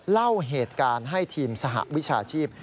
เล่าเหตุการณ์ให้ทีมสหวิชาชีพ